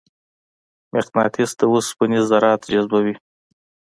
مقناطیس د اوسپنې ذرات جذبوي.